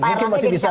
mungkin masih bisa